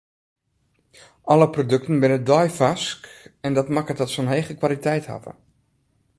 Alle produkten binne deifarsk en dat makket dat se in hege kwaliteit hawwe.